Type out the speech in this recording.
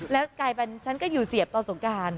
แล้วกลายเป็นฉันก็อยู่เสียบตอนสงการ